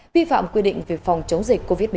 vi phạm quy định về phòng chống dịch covid một mươi chín